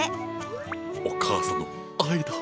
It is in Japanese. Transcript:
お母さんの愛だ。